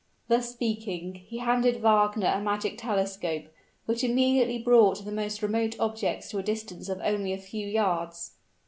Thus speaking; he handed Wagner a magic telescope, which immediately brought the most remote objects to a distance of only a few yards.